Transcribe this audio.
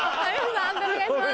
判定お願いします。